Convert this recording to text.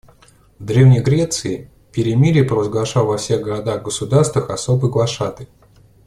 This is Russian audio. В древней Греции перемирие провозглашал во всех городах-государствах особый глашатай.